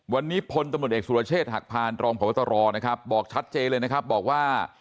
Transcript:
วันนี้พลตำรวจเอกสุรเชษฐหักพานรองพบตรนะครับบอกชัดเจนเลยนะครับบอกว่า